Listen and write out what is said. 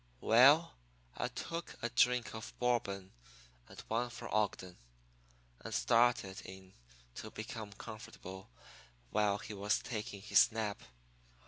"Well, I took a drink of Bourbon and one for Ogden, and started in to be comfortable while he was taking his nap.